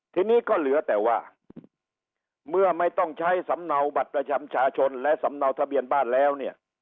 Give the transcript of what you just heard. ทีนี้ก็เหลือแต่ว่าเมื่อไม่ต้องใช้สำเนาบัตรประชาชนและสำเนาทะเบียนบ้านแล้วเนี่ย